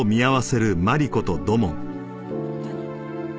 何？